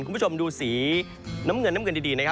คุณผู้ชมดูสีน้ำเงินน้ำเงินดีนะครับ